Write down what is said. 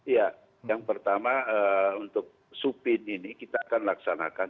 ya yang pertama untuk supin ini kita akan laksanakan